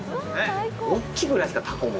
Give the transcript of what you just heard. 大きくないですか、タコも。